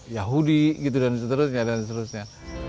yahudi gitu dan seterusnya dan seterusnya